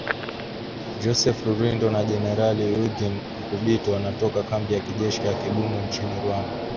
Joseph Rurindo na Jenerali Eugene Nkubito wanatoka kambi ya kijeshi ya Kibungo nchini Rwanda.